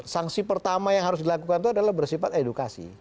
sanksi pertama yang harus dilakukan itu adalah bersifat edukasi